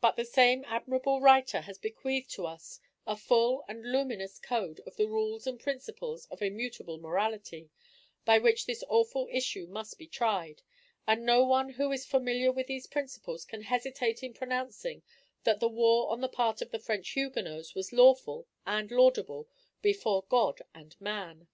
But the same admirable writer has bequeathed to us a full and luminous code of the rules and principles of immutable morality, by which this awful issue must be tried, and no one who is familiar with these principles can hesitate in pronouncing that the war on the part of the French Huguenots was lawful and laudable before God and man.